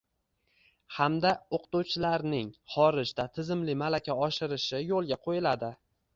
hamda o‘qituvchilarning xorijda tizimli malaka oshirishi yo‘lga qo‘yiladi.